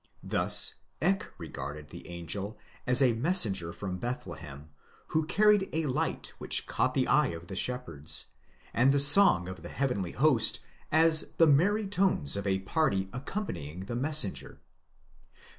Thus Eck regarded the angel as a messenger from Beth lehem, who carried a light which caught the eye of the shepherds, and the song of the heavenly host as the merry tones of a party accompanying the messenger.!